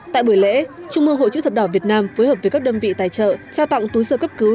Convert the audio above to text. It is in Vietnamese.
tại buổi lễ trung mương hội chữ thập đỏ việt nam phối hợp với các đơn vị tài trợ trao tặng túi sơ cấp cứu